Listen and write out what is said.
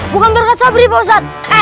bukan berkat sobri pak ustadz